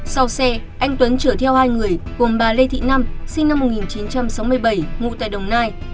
sau xe anh tuấn chở theo hai người gồm bà lê thị năm sinh năm một nghìn chín trăm sáu mươi bảy ngụ tại đồng nai